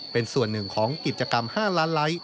เป็นส่วนหนึ่งของกิจกรรม๕ล้านไลค์